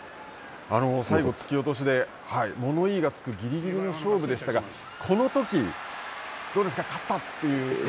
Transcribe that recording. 最後突き落としで物言いがつく、ぎりぎりの勝負でしたが、このとき、どうですか勝ったという。